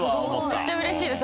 めっちゃうれしいです。